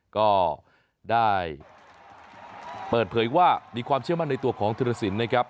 ก็ได้เปิดเผยว่ามีความเชื่อมั่นในตัวของธิรสินนะครับ